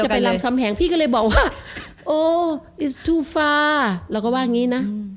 ไปรำคำแหงพี่ก็เลยบอกว่าโอ้อิทูฟาเราก็ว่าอย่างนี้นะ